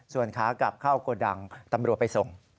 ส่วนขากลับเข้าโกดังตำรวจไปส่ง